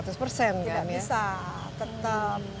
tidak bisa tetap